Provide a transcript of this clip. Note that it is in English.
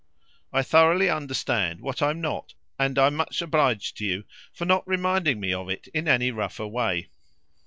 I thoroughly understand what I'm not, and I'm much obliged to you for not reminding me of it in any rougher way."